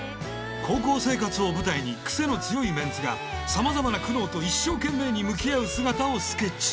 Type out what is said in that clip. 高校生活を舞台に癖の強いメンツがさまざまな苦悩と一生懸命に向き合う姿をスケッチ！